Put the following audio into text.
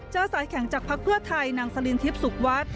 สายแข่งจากพักเพื่อไทยนางสลินทิพย์สุขวัฒน์